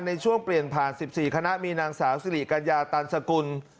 ในช่วงเปลี่ยนผ่าน๑๔คณะมีนางสาวสิริกัญญาตันสกุล